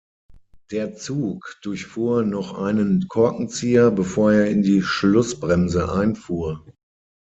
Der Zug durchfuhr noch einen Korkenzieher, bevor er in die Schlussbremse einfuhr.